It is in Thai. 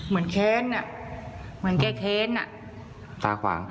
มาเหมือนแก้เข็งอ่ะ